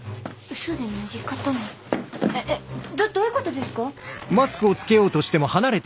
えっえっどどういうことですか？